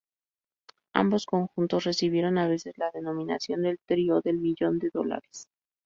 Ambos conjuntos recibieron a veces la denominación del "Trío del Millón de Dólares".